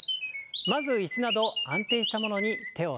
まず椅子など安定したものに手を添えましょう。